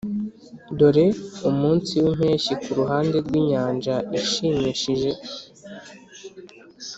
dore umunsi wimpeshyi kuruhande rwinyanja ishimishije!